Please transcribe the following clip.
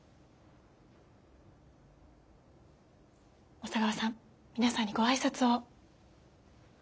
小佐川さん皆さんにご挨拶を。